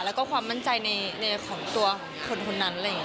แล้วก็ความมั่นใจในของตัวของคนนั้น